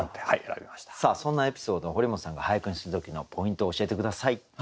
さあそんなエピソードを堀本さんが俳句にした時のポイントを教えて下さい。